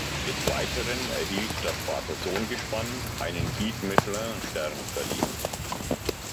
Des Weiteren erhielt das Vater-Sohn-Gespann einen Guide-Michelin-Stern verliehen.